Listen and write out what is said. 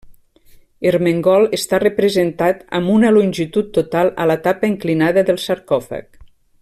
Ermengol està representat amb una longitud total a la tapa inclinada del sarcòfag.